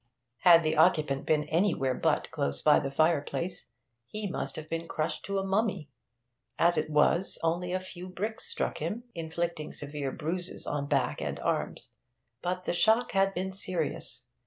Had the occupant been anywhere but close by the fireplace, he must have been crushed to a mummy; as it was, only a few bricks struck him, inflicting severe bruises on back and arms. But the shock had been serious.